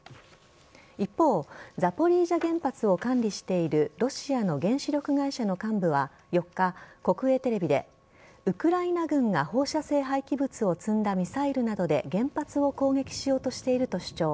一方ザポリージャ原発を管理しているロシアの原子力会社の幹部は４日国営テレビでウクライナ軍が放射性廃棄物を積んだミサイルなどで原発を攻撃しようとしていると主張。